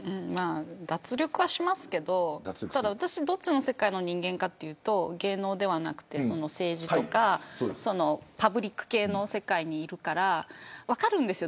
脱力はしますけど私がどっちの世界の人間かというと芸能ではなく政治とかパブリック系の世界にいるから分かるんです。